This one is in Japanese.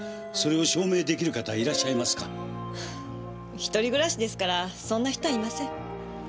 一人暮らしですからそんな人はいません。